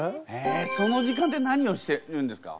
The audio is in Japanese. その時間ってなにをしてるんですか？